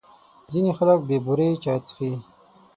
ځینې خلک بې بوري چای څښي.